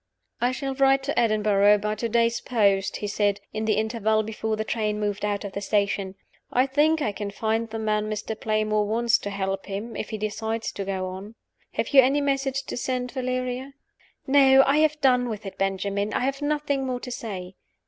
"I shall write to Edinburgh by to day's post," he said, in the interval before the train moved out of the station. "I think I can find the man Mr. Playmore wants to help him, if he decides to go on. Have you any message to send, Valeria?" "No. I have done with it, Benjamin; I have nothing more to say."